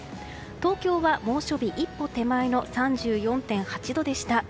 東京は猛暑日一歩手前の３４．８度でした。